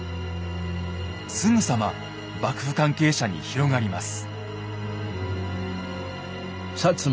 すぐさま幕府関係者に広がります。